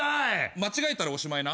間違えたらおしまいな。